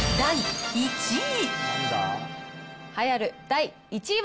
第１位。